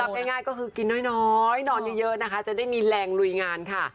ง่ายก็คือกินน้อยนอนเยอะนะคะจะได้มีแรงลุยงานค่ะ